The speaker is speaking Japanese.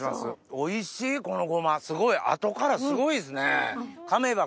おいしいこのごま！後からすごいですね。